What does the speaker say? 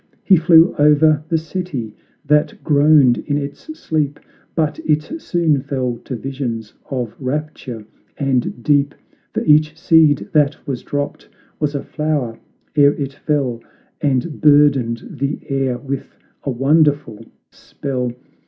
He flew o'er the city, that groaned in its sleep, But it soon fell to visions of rapture and deep; For each seed that was dropped, was a flower ere it fell And burdened the air with a wonderful spell!